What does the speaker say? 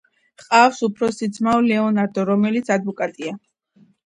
ჰყავს უფროსი ძმა ლეონარდო, რომელიც ადვოკატია.